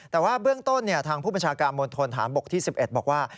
แต่ว่าเบื้องต้นทางผู้บัญชาการมณฑนฐานบกที่๑๑บอกว่า